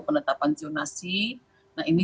penetapan zonasi nah ini